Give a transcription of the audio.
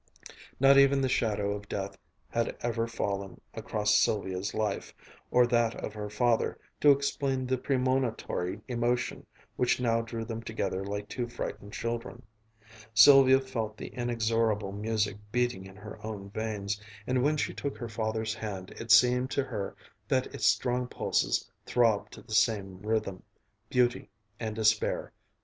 _" Not even the shadow of death had ever fallen across Sylvia's life, or that of her father, to explain the premonitory emotion which now drew them together like two frightened children. Sylvia felt the inexorable music beating in her own veins, and when she took her father's hand it seemed to her that its strong pulses throbbed to the same rhythm; beauty, and despair